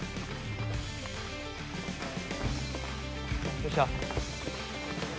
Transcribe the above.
どうした？